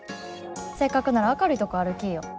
せっかくなら明るいとこ歩きいよ。